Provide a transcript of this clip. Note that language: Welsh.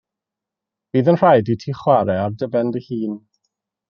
Bydd yn rhaid i ti chwarae ar dy ben dy hun.